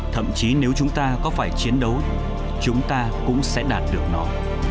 thậm chí nếu chúng ta có phải chiến đấu chúng ta cũng sẽ đạt được nó